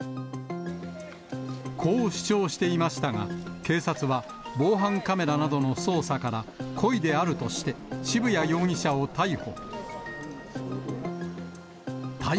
こう主張していましたが、警察は、防犯カメラなどの捜査から、故意であるとして、渋谷容疑者を逮捕。